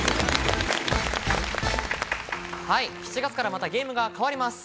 ７月からまたゲームが変わります。